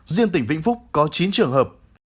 riêng tỉnh vĩnh phúc có chín trường hợp